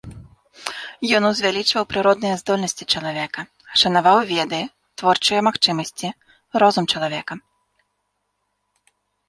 Ён узвялічваў прыродныя здольнасці чалавека, шанаваў веды, творчыя магчымасці, розум чалавека.